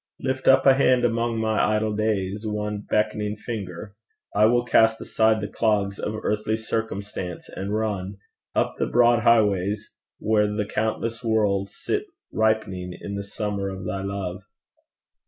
Lift up a hand among my idle days One beckoning finger. I will cast aside The clogs of earthly circumstance, and run Up the broad highways where the countless worlds Sit ripening in the summer of thy love.'